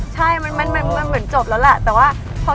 ใช่มันเหมือนจบแล้วแหละแต่ว่าพอ